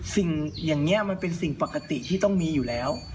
สิ่งอย่างนี้มันเป็นสิ่งปกติที่ต้องมีอยู่แล้ว